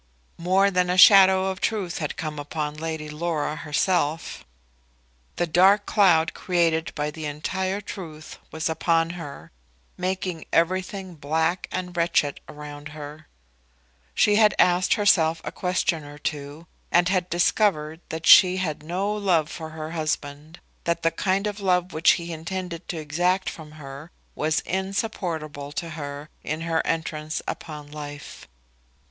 More than a shadow of truth had come upon Lady Laura herself. The dark cloud created by the entire truth was upon her, making everything black and wretched around her. She had asked herself a question or two, and had discovered that she had no love for her husband, that the kind of life which he intended to exact from her was insupportable to her, and that she had blundered and fallen in her entrance upon life.